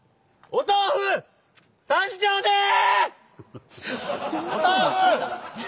お豆腐２丁です！